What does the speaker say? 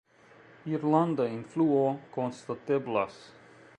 Irlanda influo konstateblas.